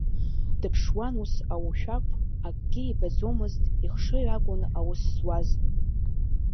Дыԥшуан ус аушәақә, акгьы ибаӡомызт, ихшыҩ акәын аус зуаз.